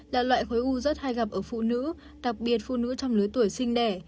là loại khối u rất hay gặp ở phụ nữ đặc biệt phụ nữ trong lứa tuổi sinh đẻ